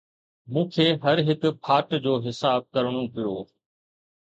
مون کي هر هڪ ڦاٽ جو حساب ڪرڻو پيو